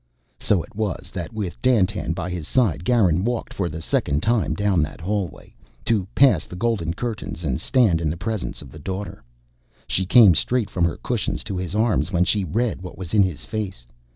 So it was that, with Dandtan by his side, Garin walked for the second time down that hallway, to pass the golden curtains and stand in the presence of the Daughter. She came straight from her cushions into his arms when she read what was in his face.